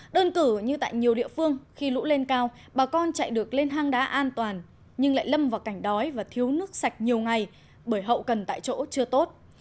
đơn cử như tại nhiều địa phương khi lũ lên cao bà con chạy được lên hang đá an toàn nhưng lại lâm vào cảnh đói và thiếu nước sạch nhiều ngày bởi hậu cần tại chỗ chưa tốt